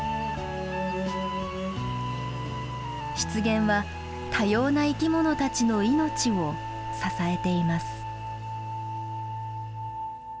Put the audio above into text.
湿原は多様な生きものたちの命を支えています。